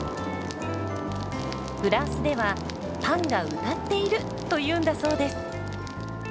フランスでは「パンが歌っている！」というんだそうです。